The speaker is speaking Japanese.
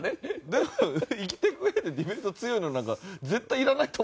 でも生きていく上でディベート強いのなんか絶対いらないと思います。